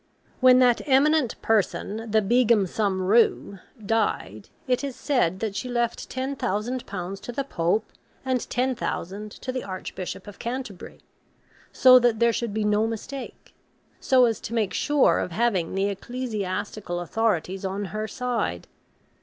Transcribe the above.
When that eminent person, the Begum Sumroo, died, it is said she left ten thousand pounds to the Pope, and ten thousand to the Archbishop of Canterbury, so that there should be no mistake, so as to make sure of having the ecclesiastical authorities on her side.